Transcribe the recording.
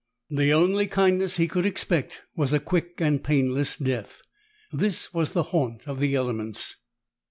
The only kindness he could expect was a quick and painless death. This was the haunt of the elements.